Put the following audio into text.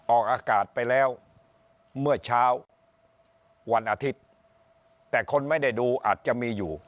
ออกอากาศไปแล้วเมื่อเช้าวันอาทิตย์แต่คนไม่ได้ดูอาจจะมีอยู่